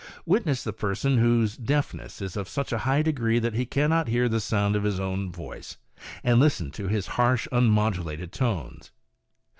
Witness the person whose deafness is of such high degree that he cannot hear the sound of his own voice, and listen to his harsh, un modulated tones.